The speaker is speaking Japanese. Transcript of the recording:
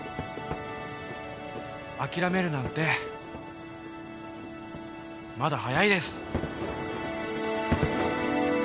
諦めるなんてまだ早いです。